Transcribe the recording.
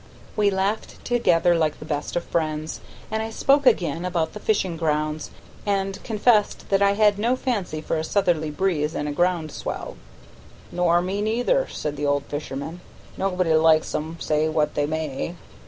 We laughed together like the best of friends, and I spoke again about the fishing grounds, and confessed that I had no fancy for a southerly breeze and a ground swell. "Nor me neither," said the old fisherman. "Nobody likes 'em, say what they may.